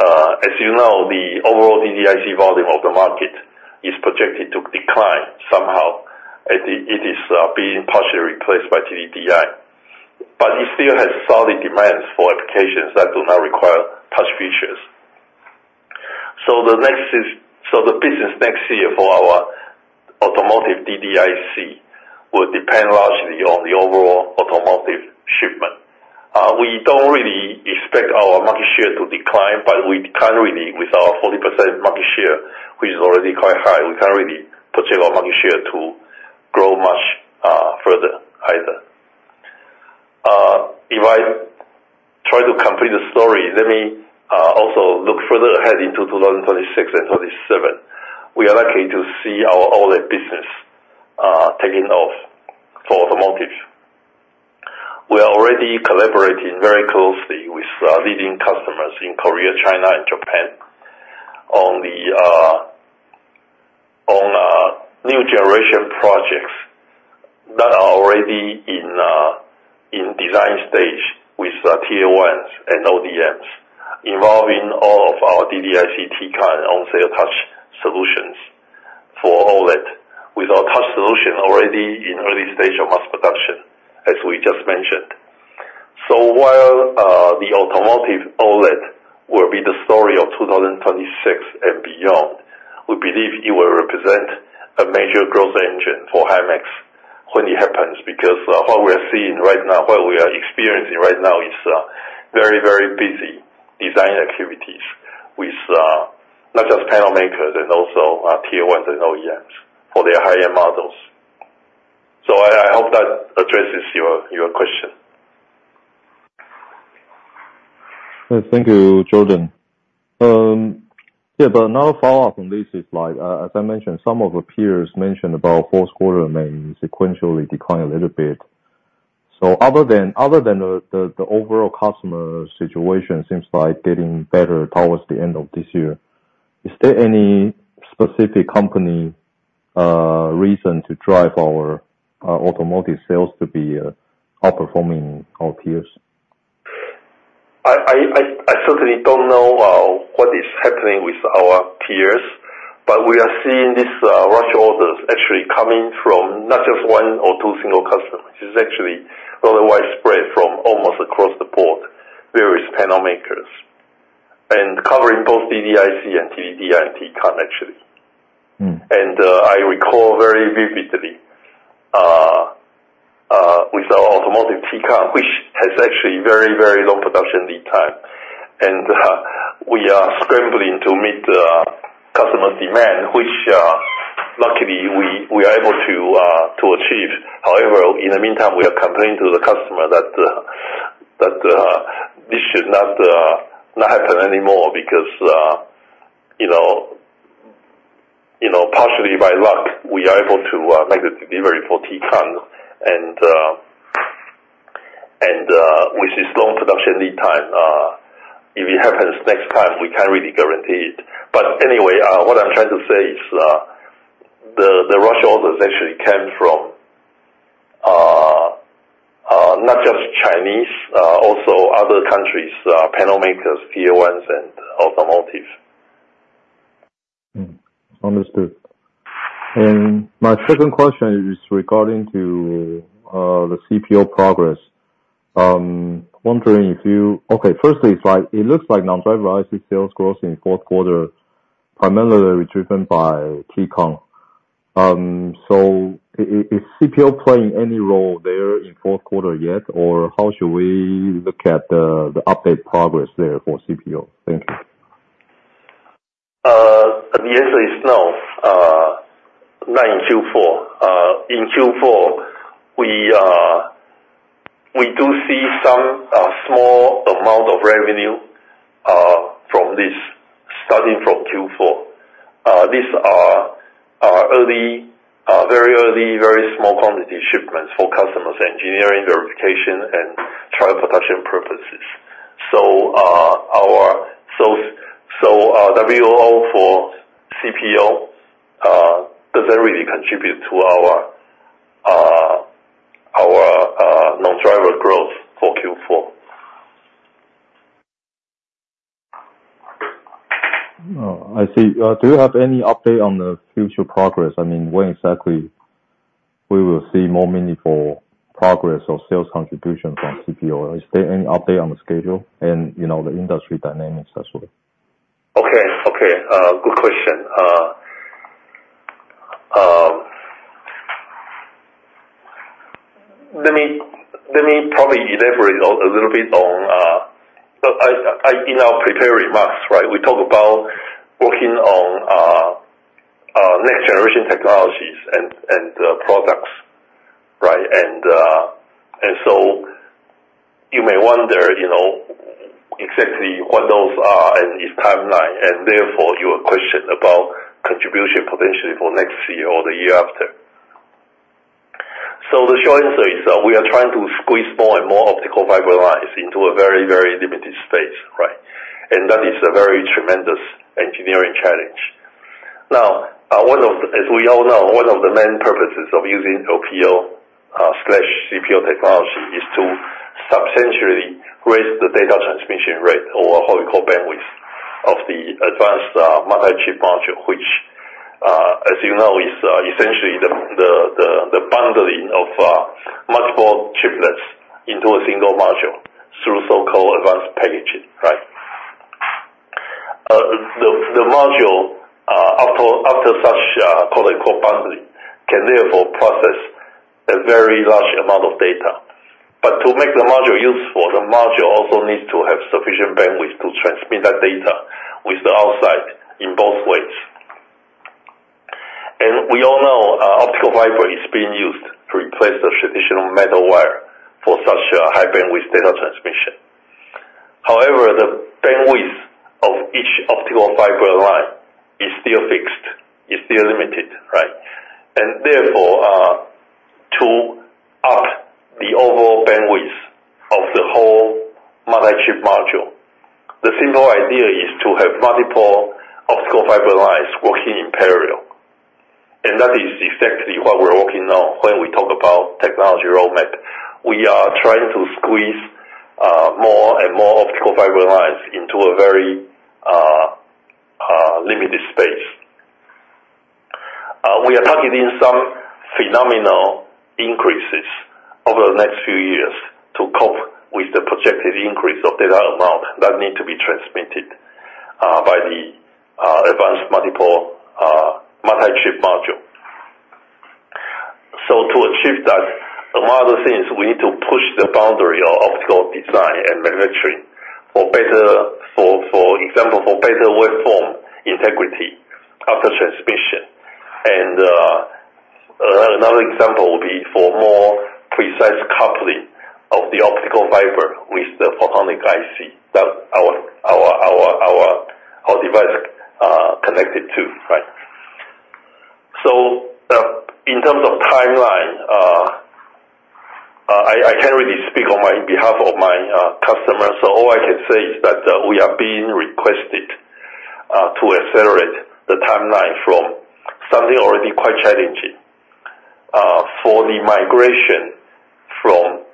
As you know, the overall DDIC volume of the market is projected to decline somehow. It is being partially replaced by TDDI, but it still has solid demands for applications that do not require touch features. So the business next year for our automotive DDIC will depend largely on the overall automotive shipment. We don't really expect our market share to decline, but we can't really, with our 40% market share, which is already quite high, we can't really project our market share to grow much further either. If I try to complete the story, let me also look further ahead into 2026 and 2027. We are likely to see our OLED business taking off for automotive. We are already collaborating very closely with leading customers in Korea, China, and Japan on new generation projects that are already in design stage with Tier 1s and ODMs involving all of our TDDI Tcon on-cell touch solutions for OLED, with our touch solution already in early stage of mass production, as we just mentioned. So while the automotive OLED will be the story of 2026 and beyond, we believe it will represent a major growth engine for Himax when it happens because what we are seeing right now, what we are experiencing right now, is very, very busy design activities with not just panel makers and also Tier 1s and OEMs for their high-end models. So I hope that addresses your question. Thank you, Jordan. Yeah, but another follow-up on this is, as I mentioned, some of the peers mentioned about fourth quarter may sequentially decline a little bit. So other than the overall customer situation seems like getting better towards the end of this year, is there any specific company reason to drive our automotive sales to be outperforming our peers? I certainly don't know what is happening with our peers, but we are seeing these rush orders actually coming from not just one or two single customers. It's actually rather widespread from almost across the board, various panel makers, and covering both DDIC and TDDI and Tcon, actually. And I recall very vividly with our automotive Tcon, which has actually very, very long production lead time, and we are scrambling to meet customer demand, which luckily we are able to achieve. However, in the meantime, we are complaining to the customer that this should not happen anymore because partially by luck, we are able to make the delivery for Tcon, and with this long production lead time, if it happens next time, we can't really guarantee it. But anyway, what I'm trying to say is the rush orders actually came from not just Chinese, also other countries, panel makers, Tier-1s and automotive. Understood. And my second question is regarding the CPO progress. I'm wondering, okay, firstly, it looks like non-driver IC sales growth in fourth quarter primarily driven by Tcon. So is CPO playing any role there in fourth quarter yet, or how should we look at the update progress there for CPO? Thank you. The answer is no, not in Q4. In Q4, we do see some small amount of revenue from this, starting from Q4. These are very early, very small quantity shipments for customers' engineering, verification, and trial production purposes. So WLO for CPO doesn't really contribute to our non-driver growth for Q4. I see. Do you have any update on the future progress? I mean, when exactly we will see more meaningful progress or sales contribution from CPO? Is there any update on the schedule and the industry dynamics as well? Okay. Okay. Good question. Let me probably elaborate a little bit on I didn't prepare remarks, right? We talked about working on next-generation technologies and products, right? And so you may wonder exactly what those are and its timeline, and therefore your question about contribution potentially for next year or the year after. So the short answer is we are trying to squeeze more and more optical fiber lines into a very, very limited space, right? And that is a very tremendous engineering challenge. Now, as we all know, one of the main purposes of using LPO/CPO technology is to substantially raise the data transmission rate or what we call bandwidth of the advanced multi-chip module, which, as you know, is essentially the bundling of multiple chiplets into a single module through so-called advanced packaging, right? The module, after such what we call bundling, can therefore process a very large amount of data. But to make the module useful, the module also needs to have sufficient bandwidth to transmit that data with the outside in both ways. And we all know optical fiber is being used to replace the traditional metal wire for such high-bandwidth data transmission. However, the bandwidth of each optical fiber line is still fixed, is still limited, right? And therefore, to up the overall bandwidth of the whole multi-chip module, the simple idea is to have multiple optical fiber lines working in parallel. And that is exactly what we're working on when we talk about technology roadmap. We are trying to squeeze more and more optical fiber lines into a very limited space. We are targeting some phenomenal increases over the next few years to cope with the projected increase of data amount that need to be transmitted by the advanced multi-chip module. So to achieve that, among other things, we need to push the boundary of optical design and manufacturing for, for example, for better waveform integrity after transmission. And another example would be for more precise coupling of the optical fiber with the photonic IC that our device connected to, right? So in terms of timeline, I can't really speak on behalf of my customers. So all I can say is that we are being requested to accelerate the timeline from something already quite challenging for the migration from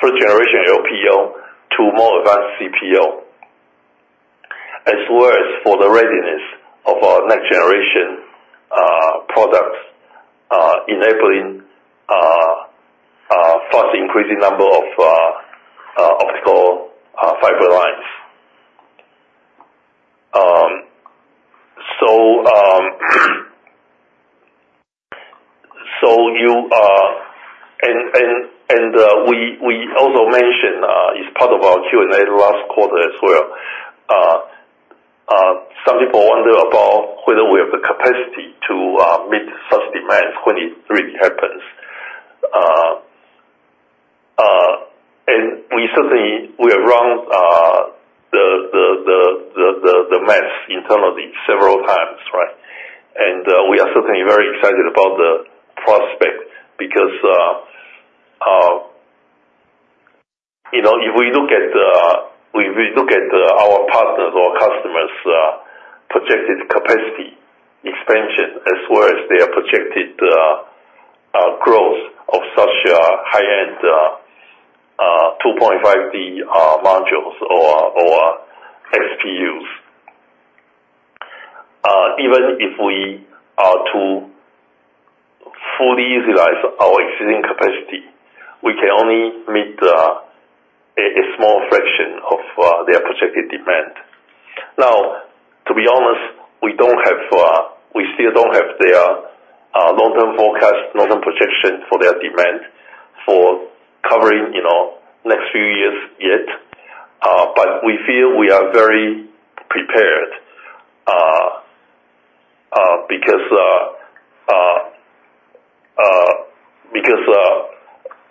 first-generation LPO to more advanced CPO, as well as for the readiness of our next-generation products, enabling a fast increasing number of optical fiber lines. So we also mentioned as part of our Q&A last quarter as well, some people wonder about whether we have the capacity to meet such demands when it really happens. And we certainly have run the math internally several times, right? And we are certainly very excited about the prospect because if we look at our partners or customers' projected capacity expansion, as well as their projected growth of such high-end 2.5D modules or XPUs, even if we are to fully utilize our existing capacity, we can only meet a small fraction of their projected demand. Now, to be honest, we still don't have their long-term forecast, long-term projection for their demand for covering next few years yet, but we feel we are very prepared because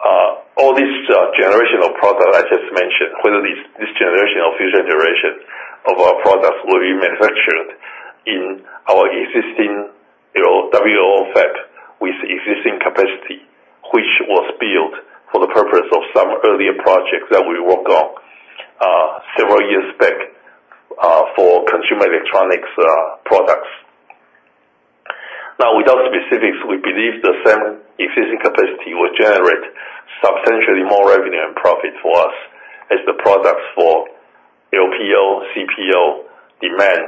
all this generation of products I just mentioned, whether this generation or future generation of our products will be manufactured in our existing WLO fab with existing capacity, which was built for the purpose of some earlier projects that we worked on several years back for consumer electronics products. Now, without specifics, we believe the same existing capacity will generate substantially more revenue and profit for us as the products for LPO, CPO demand,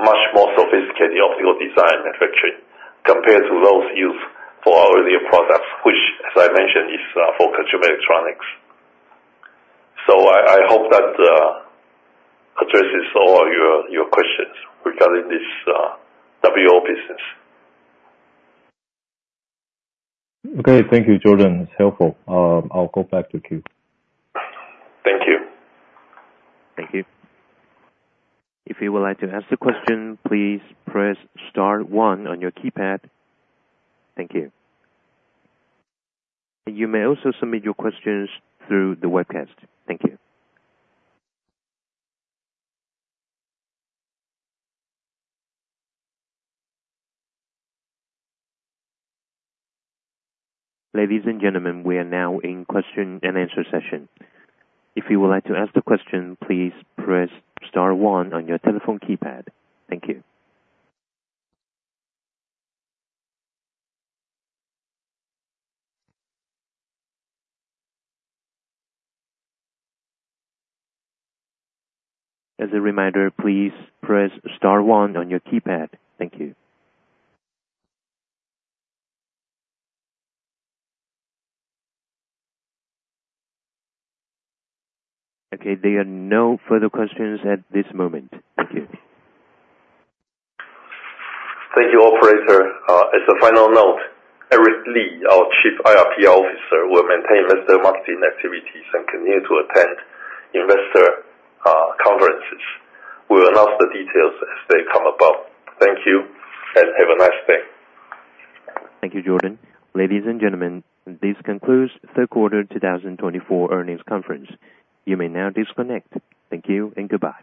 much more sophisticated optical design manufacturing compared to those used for our earlier products, which, as I mentioned, is for consumer electronics. So I hope that addresses all your questions regarding this WLO business. Okay. Thank you, Jordan. It's helpful. I'll go back to Q. Thank you. Thank you. If you would like to ask a question, please press Star 1 on your keypad. Thank you. You may also submit your questions through the webcast. Thank you. Ladies and gentlemen, we are now in question and answer session. If you would like to ask a question, please press Star 1 on your telephone keypad. Thank you. As a reminder, please press Star 1 on your keypad. Thank you. Okay. There are no further questions at this moment. Thank you. Thank you, Operator. As a final note, Eric Li, our Chief IR/PR Officer, will maintain investor marketing activities and continue to attend investor conferences. We'll announce the details as they come about. Thank you and have a nice day. Thank you, Jordan. Ladies and gentlemen, this concludes third quarter 2024 earnings conference. You may now disconnect. Thank you and goodbye.